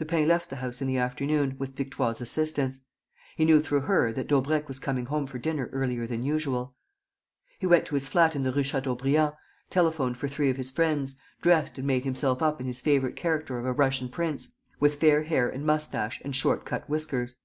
Lupin left the house in the afternoon, with Victoire's assistance. He knew through her that Daubrecq was coming home for dinner earlier than usual. He went to his flat in the Rue Chateaubriand, telephoned for three of his friends, dressed and made himself up in his favourite character of a Russian prince, with fair hair and moustache and short cut whiskers.